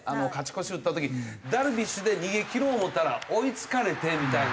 打った時ダルビッシュで逃げきろう思うたら追い付かれてみたいな。